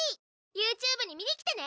ＹｏｕＴｕｂｅに見にきてね！